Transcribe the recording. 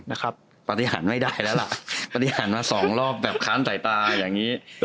นะครับปฏิหารไม่ได้แล้วล่ะปฏิหารมาสองรอบแบบค้านสายตาอย่างนี้